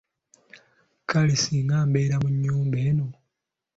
Kale singa mbeera mu nnyumba eno!